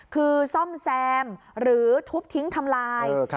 คือซ่อมแซมหรือทุบทิ้งทำลาย